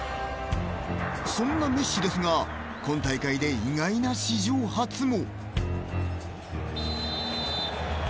そんなメッシですが今大会で意外な史上初も。